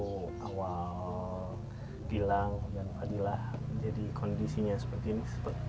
ibu boleh cerita waktu awal gilang dan fadila menjadi kondisinya seperti ini